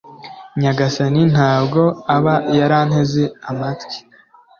Nyagasani nta bwo aba yaranteze amatwi